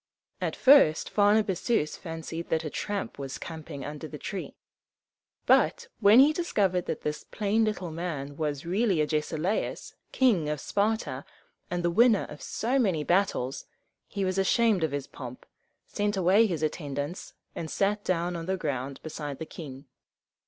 At first Pharnabazus fancied that a tramp was camping under the tree; but when he discovered that this plain little man was really Agesilaus, King of Sparta, and the winner of so many battles, he was ashamed of his pomp, sent away his attendants, and sat down on the ground beside the king.